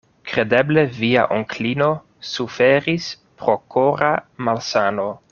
Kredeble via onklino suferis pro kora malsano?